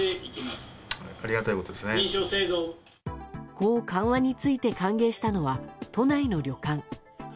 こう緩和について歓迎したのは都内の旅館。